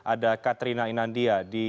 ada katrina inandia di